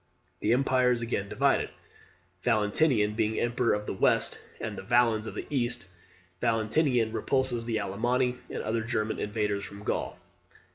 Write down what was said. The empire is again divided, Valentinian being emperor of the West, and Valens of the East. Valentinian repulses the Alemanni, and other German invaders from Gaul.